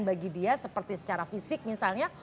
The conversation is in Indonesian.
bagi dia seperti secara fisik misalnya